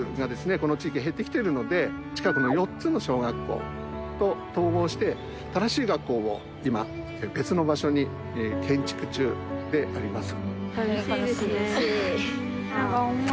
この地域は減ってきてるので近くの４つの小学校と統合して新しい学校を今別の場所に建築中であります。